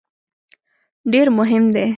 ډېر مهم دی.